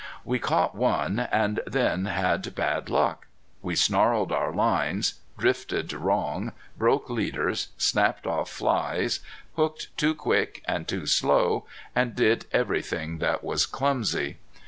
We caught one, and then had bad luck. We snarled our lines, drifted wrong, broke leaders, snapped off flies, hooked too quick and too slow, and did everything that was clumsy.